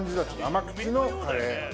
甘口のカレー。